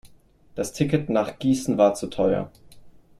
Das Ticket nach Gießen war zu teuer